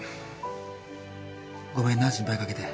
ごめんな心配かけて。